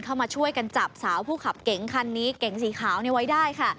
เข้ามาช่วยกันจับสาวผู้ขับเก๋งคันนี้เก๋งสีขาวไว้ได้ค่ะ